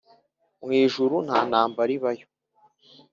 mu ijuru nta intambara ibayo